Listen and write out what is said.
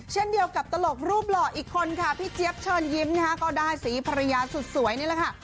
เช่นเดียวกับตลกรูปหล่ออีกคนค่ะพี่เจี๊ยบเชิญยิ้มนะคะก็ได้สีภรรยาสุดสวยนี่แหละค่ะ